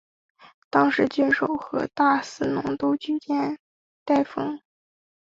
当时郡守和大司农都举荐戴封。